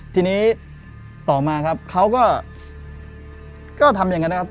ทีนี้ต่อมาครับเขาก็ทำอย่างนั้นนะครับ